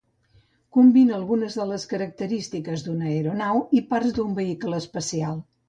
Combina algunes de les característiques d'una aeronau i parts d'un vehicle espacial.